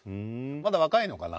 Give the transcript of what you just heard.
まだ若いのかな？